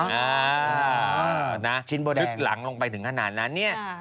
อ่าน่ะลึกหลังลงไปถึงขนาดนั้นเนี่ย